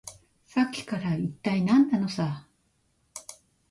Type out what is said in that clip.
さっきから、いったい何なのさ。